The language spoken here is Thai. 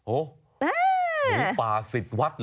หมูป่าสิดวัหรอ